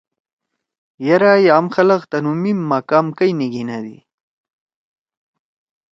یرأ یام خلگ تُنو میم ما کام کئی نی گھیندی۔